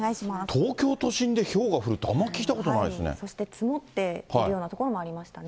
東京都心でひょうが降るって、そして積もっているような所もありましたね。